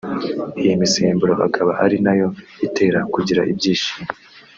iyi misemburo akaba ari nayo itera kugira ibyishimo